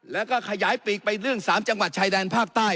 แล้วก็ขยายปีกไปเรื่อง๓จังหวัดชายแดนภาคใต้